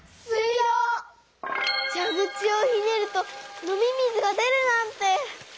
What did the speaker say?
じゃぐちをひねると飲み水が出るなんて！